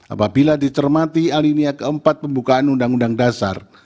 apabila dicermati alinia keempat pembukaan undang undang dasar